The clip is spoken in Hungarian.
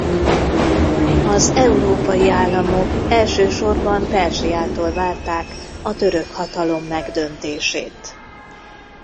Az európai államok elsősorban Perzsiától várták a török hatalom megdöntését.